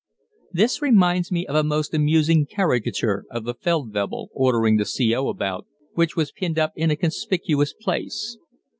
This reminds me of a most amusing caricature of the Feldwebel ordering the C.O. about, which was pinned up in a conspicuous place.